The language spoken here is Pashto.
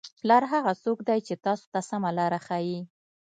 پلار هغه څوک دی چې تاسو ته سمه لاره ښایي.